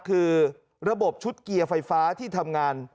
คือระบบชุดเกียร์ไฟฟ้าที่ทำงาน